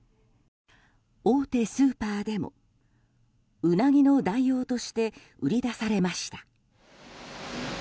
大手スーパーでもウナギの代用として売り出されました。